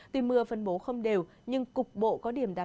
tuy mưa phân bố không đều nhưng cục bộ có điểm đạt